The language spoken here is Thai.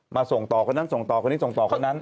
ส่งต่อคนนั้นส่งต่อคนนี้ส่งต่อคนนั้น